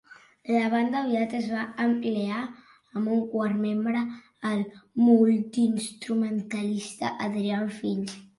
La banda aviat es va ampliar amb un quart membre, el multiinstrumentalista Adrian Finch.